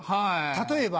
例えば。